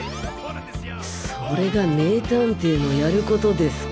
それが名探偵のやるコトですか？